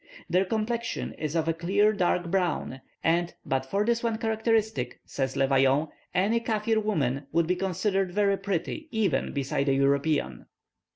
Their complexion is of a clear dark brown; and, but for this one characteristic, says Le Vaillant, any Kaffir woman would be considered very pretty, even beside a European."